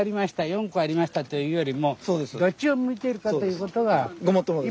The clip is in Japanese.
４個ありましたというよりもどっちを向いているかということが一歩前進ですよ佐原先生。